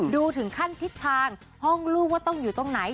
ดูถึงขั้นทิศทางห้องลูกว่าต้องอยู่ตรงไหน